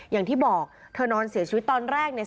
อย่างที่บอกเธอนอนเสียชีวิตตอนแรกเนี่ย